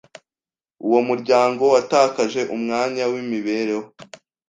Uwo muryango watakaje umwanya wimibereho.